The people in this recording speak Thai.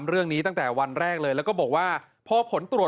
เราจะให้อภัยไหมครับ